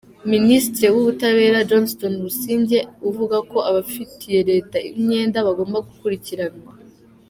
Minisitiri w’Ubutabera, Johnston Busingye, uvuga ko abafitiye Leta imyenda bagomba gukurikiranwa.